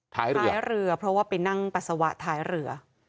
ท้ายเรือท้ายเรือเพราะว่าไปนั่งปัสสวะท้ายเรือ